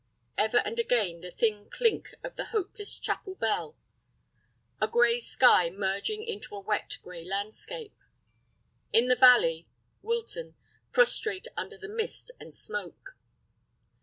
Ever and again the thin clink of the hopeless chapel bell. A gray sky merging into a wet, gray landscape. In the valley—Wilton, prostrate under mist and smoke.